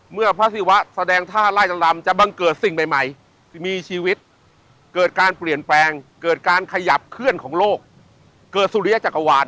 เมื่อพระศิวะแสดงท่าไล่ลำจะบังเกิดสิ่งใหม่มีชีวิตเกิดการเปลี่ยนแปลงเกิดการขยับเคลื่อนของโลกเกิดสุริยจักรวาล